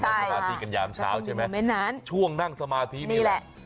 นั่งสมาธีกันยามเช้าใช่ไหมทางเม็ดนน้ำช่วงนั่งสมาธีนี่แหละ